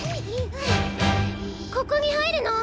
ここにはいるの？